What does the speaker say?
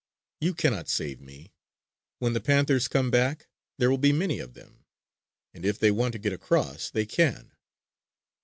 You cannot save me! When the panthers come back there will be many of them; and if they want to get across they can."